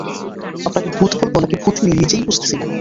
আপনাকে ভূত বলবো নাকি ভূতনী নিজেই বুঝতেছি না।